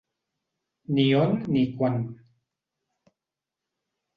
Ni on ni quan.